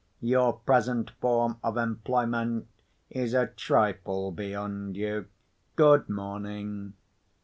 Your present form of employment is a trifle beyond you. Good morning."